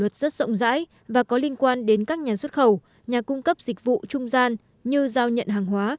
trung giãi và có liên quan đến các nhà xuất khẩu nhà cung cấp dịch vụ trung gian như giao nhận hàng hóa